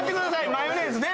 マヨネーズね！